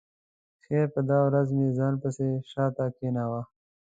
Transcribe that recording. خیر په دا ورځ مې ځان پسې شا ته کېناوه.